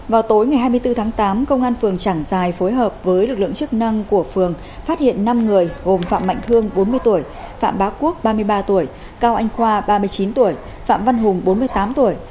vào tối ngày hai mươi bốn tháng tám công an phường trảng giài phối hợp với lực lượng chức năng của phường phát hiện năm người gồm phạm mạnh thương bốn mươi tuổi phạm bá quốc ba mươi ba tuổi cao anh khoa ba mươi chín tuổi phạm văn hùng bốn mươi tám tuổi